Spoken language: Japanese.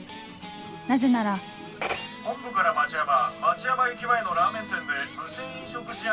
なぜなら本部から町山町山駅前のラーメン店で無銭飲食事案